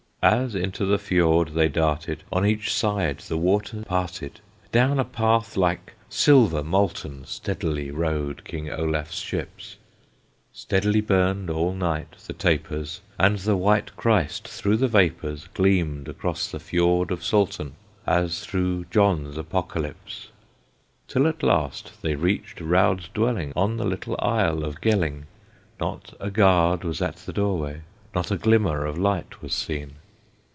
As into the Fiord they darted, On each side the water parted; Down a path like silver molten Steadily rowed King Olaf's ships; Steadily burned all night the tapers, And the White Christ through the vapors Gleamed across the Fiord of Salten, As through John's Apocalypse, Till at last they reached Raud's dwelling On the little isle of Gelling; Not a guard was at the doorway, Not a glimmer of light was seen.